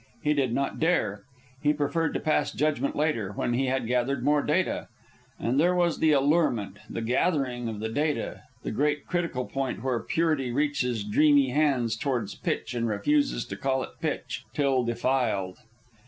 He did not dare. He preferred to pass judgment later, when he had gathered more data. And there was the allurement, the gathering of the data; the great critical point where purity reaches dreamy hands towards pitch and refuses to call it pitch till defiled.